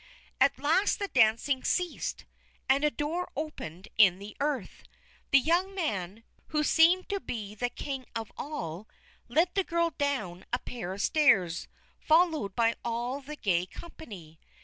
At last the dancing ceased, and a door opened in the earth. The young man, who seemed to be the King of all, led the girl down a pair of stairs, followed by all the gay company.